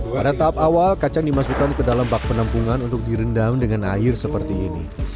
pada tahap awal kacang dimasukkan ke dalam bak penampungan untuk direndam dengan air seperti ini